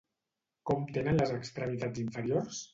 Com tenen les extremitats inferiors?